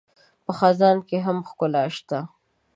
په خزان کې هم ښکلا شته